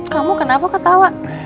kamu kenapa ketawa